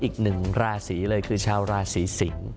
อีกหนึ่งราศีเลยคือชาวราศีสิงศ์